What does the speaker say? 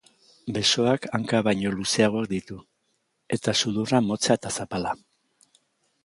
Besoak hankak baino luzeagoak ditu eta sudurra motza eta zapala.